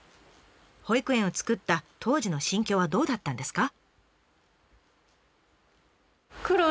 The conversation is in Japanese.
保育園を作った当時の心境はどうだったんですか？